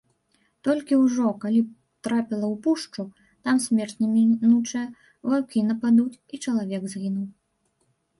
Толькі ўжо, калі трапіла ў пушчу, там смерць немінучая, ваўкі нападуць, і чалавек згінуў.